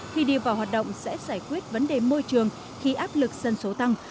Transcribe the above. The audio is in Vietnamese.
khi đi vào hoạt động sẽ giải quyết vấn đề môi trường khi áp lực dân số tăng